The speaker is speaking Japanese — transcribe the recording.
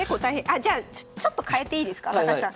じゃあちょっと変えていいですか高橋さん。